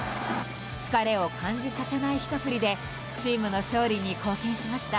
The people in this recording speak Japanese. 疲れを感じさせないひと振りでチームの勝利に貢献しました。